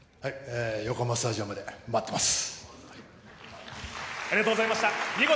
横浜スタジアムで待ってます。